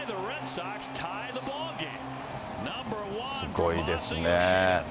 すごいですね。